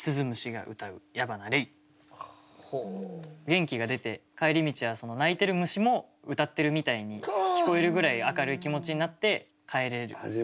元気が出て帰り道は鳴いてる虫も歌ってるみたいに聞こえるぐらい明るい気持ちになって帰れたっていう。